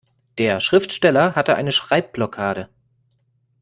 Der Schriftsteller hatte eine Schreibblockade.